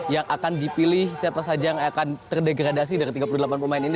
yang akan dipilih siapa saja yang akan terdegradasi dari tiga puluh delapan pemain ini